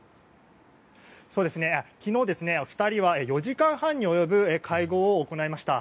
昨日、２人は４時間半に及ぶ会合を行いました。